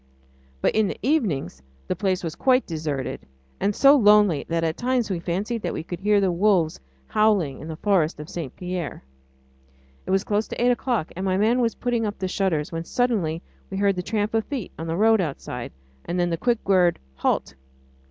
But in the evenings the place was quite deserted, and so lonely that at times we fancied that we could hear the wolves howling in the forest of St. Pierre. It was close on eight o'clock, and my man was putting up the shutters, when suddenly we heard the tramp of feet on the road outside, and then the quick word, "Halt!"